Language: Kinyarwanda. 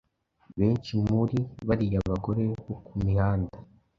benshi muri bariya bagore bo ku mihanda